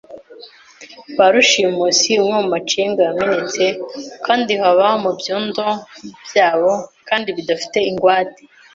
ba rushimusi, umwe mumacenga yamenetse, kandi haba mubyondo byabo kandi bidafite ingwate